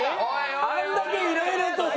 あんだけいろいろとさ。